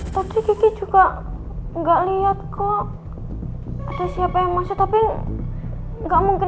tapi juga enggak lihat kok ada siapa yang masih tapi enggak mungkin